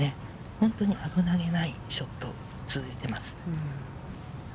危なげないショットが続いています。